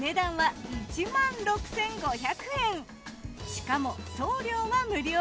しかも送料は無料。